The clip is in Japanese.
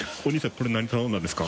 これ何頼んだんですか？